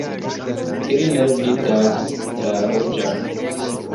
Ili ne vidas la ruĝan.